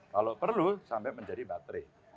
kalau perlu sampai menjadi baterai